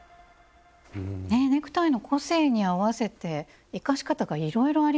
ネクタイの個性に合わせて生かし方がいろいろありますよね。